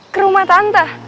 ke rumah tante